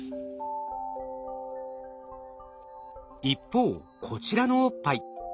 一方こちらのおっぱい。